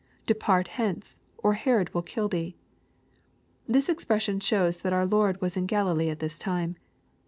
[Depart hence : or Herod will hiU thee.] This expression aihowa that our Lord was in Galilee at this time.